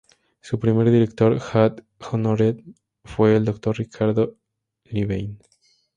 Su primer director "ad honorem" fue el Dr. Ricardo Levene.